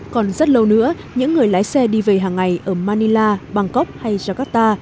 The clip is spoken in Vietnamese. còn rất lâu nữa những người lái xe đi về hàng ngày ở manila bangkok hay jakarta